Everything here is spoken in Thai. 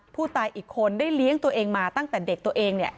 ผู้ตายอีกคนได้เลี้ยงตัวเองมาตั้งแต่เด็กตัวเองเนี่ย